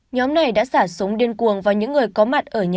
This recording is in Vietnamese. nhóm này đã xả súng điên cuồng vào những người có mặt ở nhà